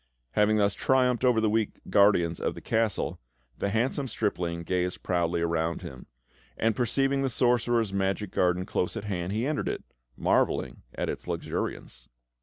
Having thus triumphed over the weak guardians of the Castle, the handsome stripling gazed proudly around him; and, perceiving the sorcerer's magic garden close at hand, he entered it, marvelling at its luxuriance.